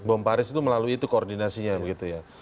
bom paris itu melalui itu koordinasinya